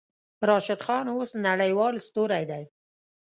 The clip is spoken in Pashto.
راشد خان اوس نړۍوال ستوری دی.